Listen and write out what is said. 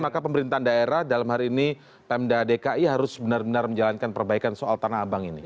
maka pemerintahan daerah dalam hari ini pemda dki harus benar benar menjalankan perbaikan soal tanah abang ini